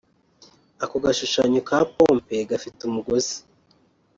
Ako gashushanyo ka pompe gafite umugozi